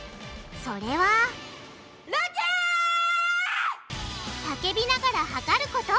それは叫びながら測ること！